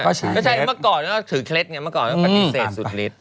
ไม่ใช่เมื่อก่อนก็ถือเคล็ดไงเมื่อก่อนก็ปฏิเสธสุดฤทธิ